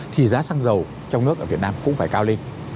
thì giá xăng dầu trong nước ở việt nam cũng phải cao lên